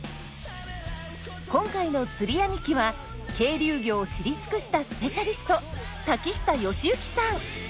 今回の釣り兄貴は渓流魚を知り尽くしたスペシャリスト瀧下芳幸さん。